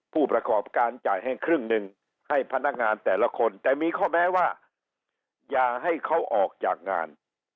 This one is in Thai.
ผู้ประกอบการจ่ายให้ครึ่งหนึ่งให้พนักงานแต่ละคนแต่มีข้อแม้ว่าอย่าให้เขาออกจากงาน